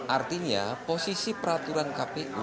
artinya posisi peraturan kpu